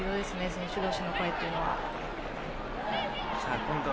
選手同士の声というのは。